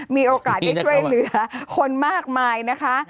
มีโอกาสได้ช่วยเหลือคนมากมายนะคะ